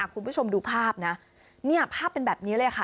คุณผู้ชมดูภาพนะเนี่ยภาพเป็นแบบนี้เลยค่ะ